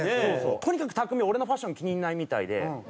とにかくたくみ俺のファッションが気に入らないみたいで。